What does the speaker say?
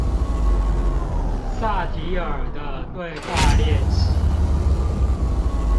薩提爾的對話練習